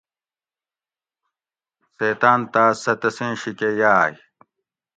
سیتاۤن تاۤس سہ تسیں شیکہ یائ